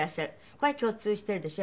これは共通しているでしょ？